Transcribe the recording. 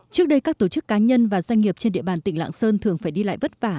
trước đây các tổ chức cá nhân và doanh nghiệp trên địa bàn tỉnh lạng sơn thường phải đi lại vất vả